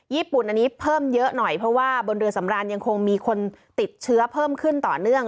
ญี่ปุ่นอันนี้เพิ่มเยอะหน่อยเพราะว่าบนเรือสำรานยังคงมีคนติดเชื้อเพิ่มขึ้นต่อเนื่อง